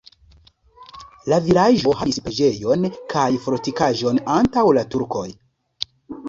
La vilaĝo havis preĝejon kaj fortikaĵon antaŭ la turkoj.